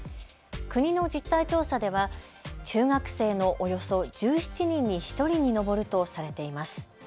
国の実態調査では中学生のおよそ１７人に１人に上るとされています。